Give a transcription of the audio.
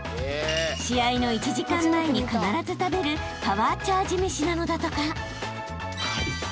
［試合の１時間前に必ず食べるパワーチャージめしなのだとか］